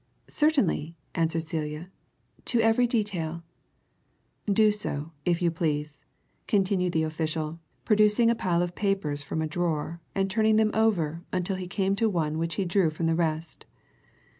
"Certainly!" answered Celia. "To every detail." "Do so, if you please," continued the official, producing a pile of papers from a drawer and turning them over until he came to one which he drew from the rest.